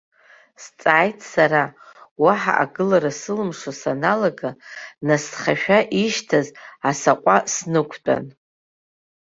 Сҵааит сара, уаҳа агылара сылымшо саналага, насҭхашәа ишьҭаз асаҟәа снықәтәан.